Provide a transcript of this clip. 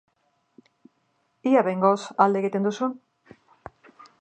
Ea behingoz alde egiten duzun!